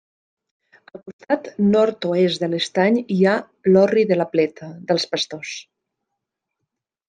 Al costat nord-oest de l'estany hi ha l'Orri de la Pleta dels Pastors.